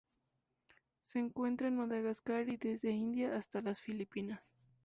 Se encuentra en Madagascar y desde la India hasta las Filipinas.